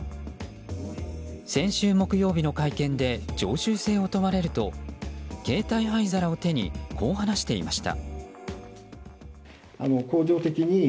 先週木曜日の会見で常習性を問われると携帯灰皿を手にこう話していました。